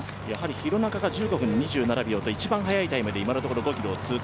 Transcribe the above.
廣中が１５分２７秒と一番速いタイムで今のところ５ｋｍを通過。